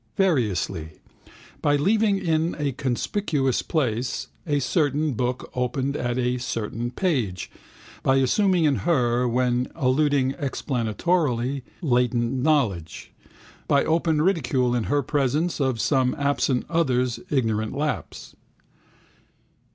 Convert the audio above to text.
Variously. By leaving in a conspicuous place a certain book open at a certain page: by assuming in her, when alluding explanatorily, latent knowledge: by open ridicule in her presence of some absent other's ignorant lapse.